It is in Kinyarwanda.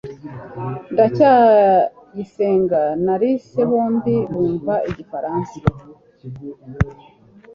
ndacyayisenga na alice bombi bumva igifaransa